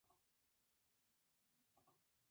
Al igual que define los límites del razonamiento.